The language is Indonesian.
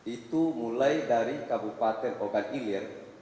itu mulai dari kabupaten oganilir